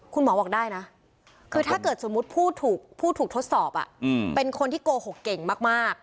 คุณหมอบอกได้นะคือถ้าเกิดสมมุติผู้ถูกทดสอบเป็นคนที่โกหกเก่งมาก